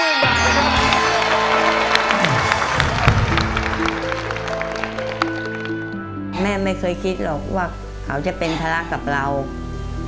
แล้ววันนี้ไม่ได้กลับบ้านมือเปล่าคุณพี่ปู